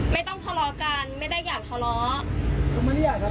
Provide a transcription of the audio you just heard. ไม่ต้องทะเลาะกันไม่ได้อยากทะเลาะ